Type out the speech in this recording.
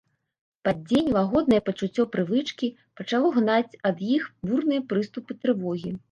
Пад дзень лагоднае пачуццё прывычкі пачало гнаць ад іх бурныя прыступы трывогі.